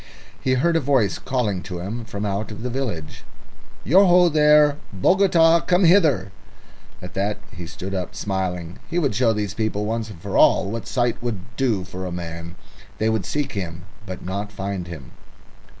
He heard a voice calling to him from out of the village. "Ya ho there, Bogota! Come hither!" At that he stood up smiling. He would show these people once and for all what sight would do for a man. They would seek him, but not find him.